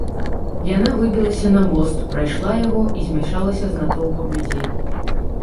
Яна выбілася на мост, прайшла яго і змяшалася з натоўпам людзей.